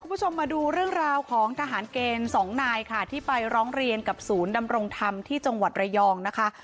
คุณผู้ชมมาดูเรื่องราวของทหารเกณฑ์สองนายค่ะที่ไปร้องเรียนกับศูนย์ดำรงธรรมที่จังหวัดระยองนะคะ